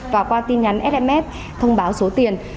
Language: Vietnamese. và qua tin nhắn sms thông báo số tiền